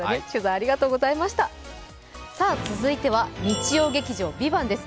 続いては日曜劇場「ＶＩＶＡＮＴ」です。